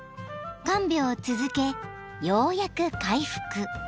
［看病を続けようやく回復］